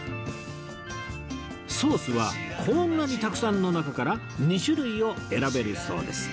ソースはこんなにたくさんの中から２種類を選べるそうです